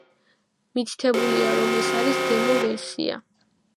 მითითებულია, რომ ეს არის დემო-ვერსია.